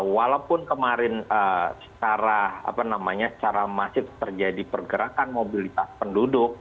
walaupun kemarin secara masif terjadi pergerakan mobilitas penduduk